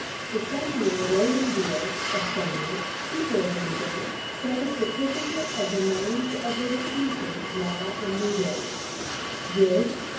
The same year William Dios (a Spaniard), keeper of Newgate, sent a certificate of the names of the recusants now in Newgate, "viz.